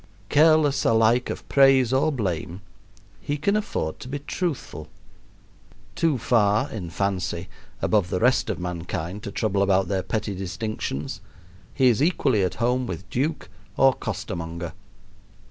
Careless alike of praise or blame, he can afford to be truthful. Too far, in fancy, above the rest of mankind to trouble about their petty distinctions, he is equally at home with duke or costermonger.